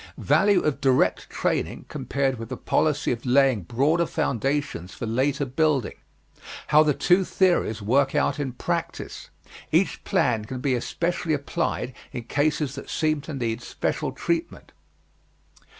Value of direct training compared with the policy of laying broader foundations for later building. How the two theories work out in practise. Each plan can be especially applied in cases that seem to need special treatment.